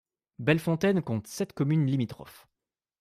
Bellefontaine compte sept communes limitrophes.